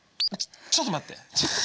ちょっと待って。